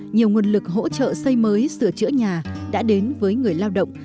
nhiều nguồn lực hỗ trợ xây mới sửa chữa nhà đã đến với người lao động